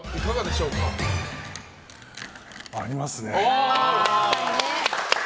ありますね。